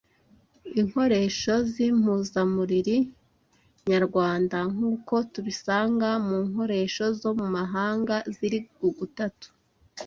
inkoresho z’impuzamuriri nyarwanda nk’uko tubisanga mu nkoresho zo mu mahanga ziri ugutatu